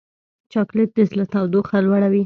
چاکلېټ د زړه تودوخه لوړوي.